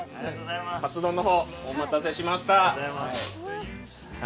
カツ丼のほう、お待たせしました。